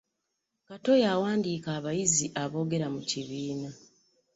Kato y'awandika abayizi abogera mu kibiina.